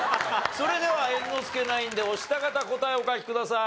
それでは猿之助ナインで押した方答えお書きください。